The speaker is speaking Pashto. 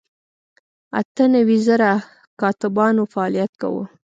اته نوي زره کاتبانو فعالیت کاوه.